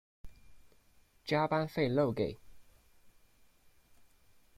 加班费漏给